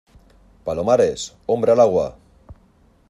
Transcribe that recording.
¡ palomares! ¡ hombre al agua !